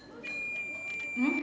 うん？